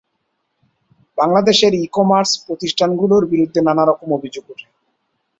বাংলাদেশের ই-কমার্স প্রতিষ্ঠান গুলোর বিরুদ্ধে নানা রকম অভিযোগ উঠে।